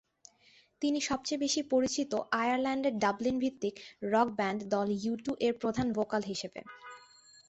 তিনি সবচেয়ে বেশি পরিচিত আয়ারল্যান্ডের ডাবলিন ভিত্তিক রক ব্যান্ড দল ইউটু-এর প্রধান ভোকাল হিসেবে।